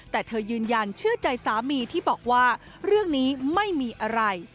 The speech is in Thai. แต่เธอยืนยันเชื่อใจสามีที่บอกว่าเรื่องนี้ไม่มีอะไร